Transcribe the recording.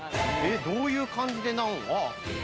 どういう感じでナンを？